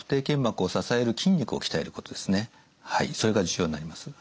はいそれが重要になります。